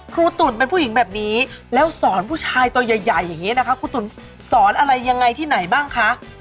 ตุ๋นเป็นผู้หญิงแบบนี้แล้วสอนผู้ชายตัวใหญ่อย่างนี้นะคะครูตุ๋นสอนอะไรยังไงที่ไหนบ้างคะ